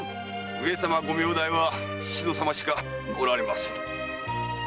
上様ご名代は宍戸様しかおられませぬ。